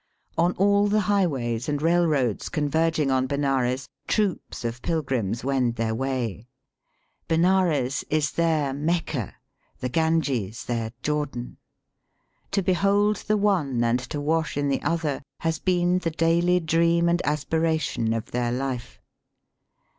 On all the highways and railroads converging on Benares troops of pilgrims wend their way. Benares is their Mecca, the Ganges their Jordan. To Digitized by VjOOQIC BATHING IN THE GANGES. 223 behold the one and to wash in the other has been the daily dream and aspiration of their life.